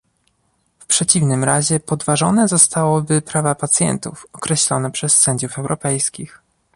W przeciwnym razie podważone zostałyby prawa pacjentów, określone przez sędziów europejskich